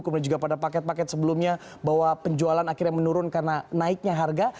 kemudian juga pada paket paket sebelumnya bahwa penjualan akhirnya menurun karena naiknya harga